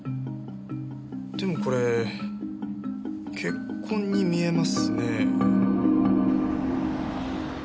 でもこれ血痕に見えますね。